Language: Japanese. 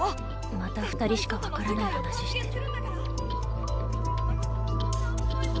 また二人しかわからない話してる。